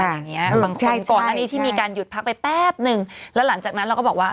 อย่างเงี้ยบางคนก่อนหน้านี้ที่มีการหยุดพักไปแป๊บนึงแล้วหลังจากนั้นเราก็บอกว่า